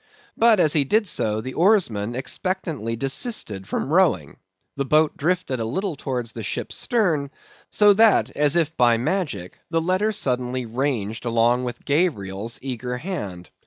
But as he did so, the oarsmen expectantly desisted from rowing; the boat drifted a little towards the ship's stern; so that, as if by magic, the letter suddenly ranged along with Gabriel's eager hand.